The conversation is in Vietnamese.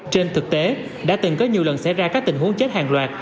trên thực tế đã từng có nhiều lần xảy ra các tình huống chết hàng loạt